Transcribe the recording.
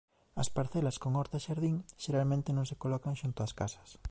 As parcelas con horta e xardín xeralmente non se colocan xunto ás casas.